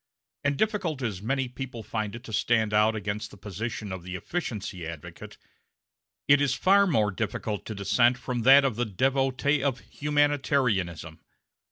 And, difficult as many people find it to stand out against the position of the efficiency advocate, it is far more difficult to dissent from that of the devotee of humanitarianism.